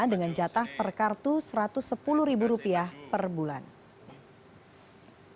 dengan jatah per kartu rp satu ratus sepuluh ribu rupiah per bulan